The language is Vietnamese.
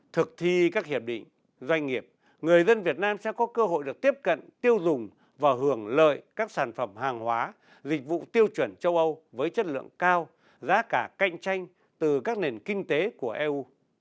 thực thi các hiệp định doanh nghiệp người dân việt nam sẽ có cơ hội được tiếp cận tiêu dùng và hưởng lợi các sản phẩm hàng hóa dịch vụ tiêu chuẩn châu âu với chất lượng cao giá cả cạnh tranh từ các nền kinh tế của eu